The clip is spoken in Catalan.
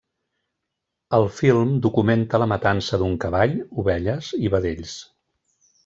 El film documenta la matança d'un cavall, ovelles i vedells.